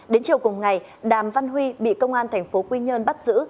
đến chiều cùng ngày đàm văn huy bị công an tp quy nhơn bắt giữ